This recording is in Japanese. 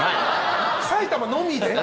埼玉のみで？